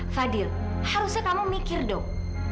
fadil harusnya kamu mikir dong